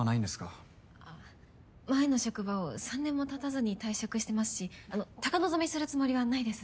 あぁ前の職場を３年もたたずに退職してますしあの高望みするつもりはないです。